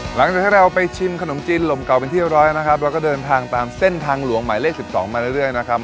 หลังจากที่เราไปชิมขนมจีนลมเก่าเป็นที่ร้อยนะครับเราก็เดินทางตามเส้นทางหลวงหมายเลข๑๒มาเรื่อยนะครับ